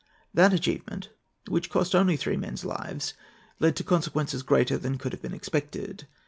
That achievement, which cost only three men's lives, led to consequences greater than could have been expected.